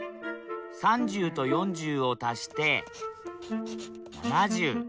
３０と４０を足して７０。